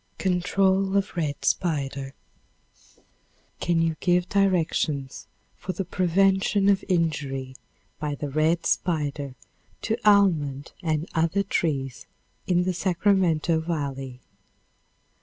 Control of Red Spider. Can you give directions for the prevention of injury by the red spider to almond and other trees in the Sacramento volley?